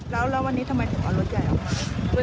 แล้ววันนี้ทำไมถึงเอารถใหญ่ออกมา